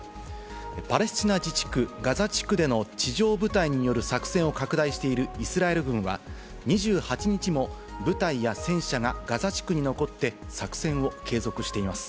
パレスチナ自治区、ガザ地区での地上部隊による作戦を拡大しているイスラエル軍は、２８日も部隊や戦車がガザ地区に残って、作戦を継続しています。